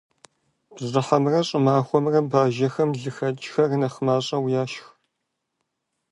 Бжьыхьэмрэ щӀымахуэмрэ бажэхэм лыхэкӏхэр нэхъ мащӏэу яшх.